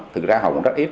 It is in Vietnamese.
thực ra họ cũng rất ít